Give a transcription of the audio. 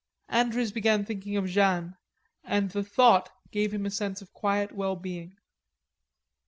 Andrews began thinking of Jeanne and the thought gave him a sense of quiet well being.